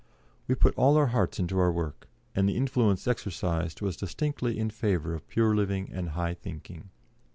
We put all our hearts into our work, and the influence exercised was distinctly in favour of pure living and high thinking.